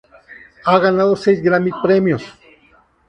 Ha ganado seis Grammy Premios.